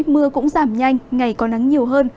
mưa cũng giảm nhanh ngày có nắng nhiều hơn